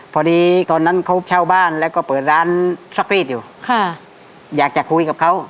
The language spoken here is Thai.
พอดีตอนนั้นเขาเช่าบ้านแล้วก็เปิดร้านซักรีดอยู่ค่ะอยากจะคุยกับเขา